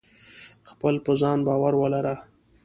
خپل په ځان باور ولره.